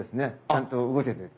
ちゃんと動けてる。